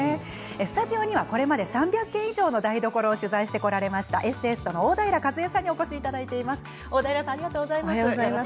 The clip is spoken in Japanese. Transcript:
スタジオには、これまで３００軒以上の台所を取材してきたエッセイストの大平一枝さんにお越しいただきました。